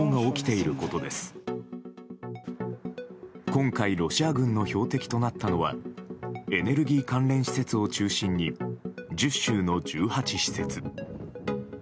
今回、ロシア軍の標的となったのはエネルギー関連施設を中心に１０州の１８施設。